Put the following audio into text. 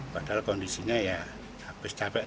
padahal kondisinya ya habis capek